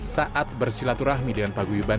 saat bersilaturahmi dengan paguyuban